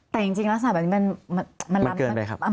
แต่จริงแล้วสถาบันนี้มัน